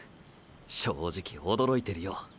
正直驚いてるよ。